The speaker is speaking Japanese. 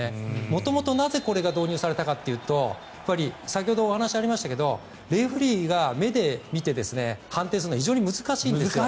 元々、なぜこれが導入されたかというと先ほどお話がありましたがレフェリーが目で見て判定するのは非常に難しいんです。